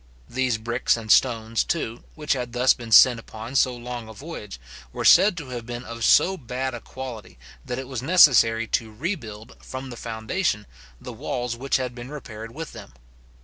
These bricks and stones, too, which had thus been sent upon so long a voyage, were said to have been of so bad a quality, that it was necessary to rebuild, from the foundation, the walls which had been repaired with them.